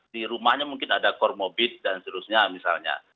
di rumahnya mungkin ada cormobit dan seterusnya misalnya